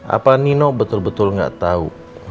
apa nino betul betul gak tau